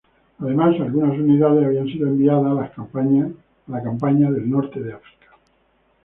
Además, algunas unidades habían sido enviadas a la campaña del Norte de África.